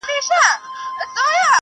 o له ږيري ئې واخيست پر برېت ئې کښېښووی!